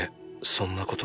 そんなこと